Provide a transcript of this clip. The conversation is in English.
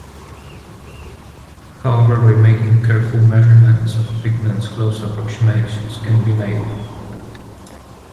However, by making careful measurements of pigments, close approximations can be made.